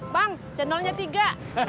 bang cendolnya tiga